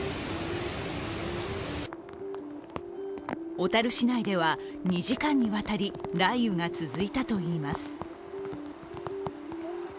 小樽市内では、２時間にわたり雷雨が続いたといいます。